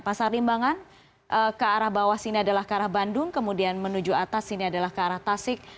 pasar limbangan ke arah bawah sini adalah ke arah bandung kemudian menuju atas sini adalah ke arah tasik